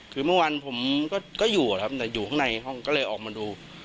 คือเมื่อวานผมก็อยู่ครับแต่อยู่ข้างในห้องก็เลยออกมาดู